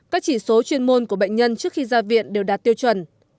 các chỉ số chuyên môn của bệnh nhân trước khi ra viện đều đạt tiêu chuẩn